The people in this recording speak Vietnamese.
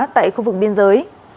tại khu vực biên giới